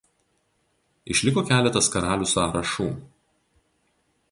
Išliko keletas karalių sąrašų.